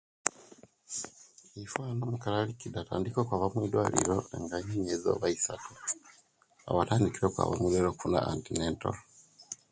Iffe wano omukali alikida atandika okwaba omwidwaliro nga aine emyezi oti isatu awo watandikira okwaba omwidwaliro okuna antinento